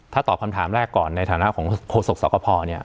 ถ้าตอบคำถามแรกก่อนในฐานะของโฆษกสกภเนี่ย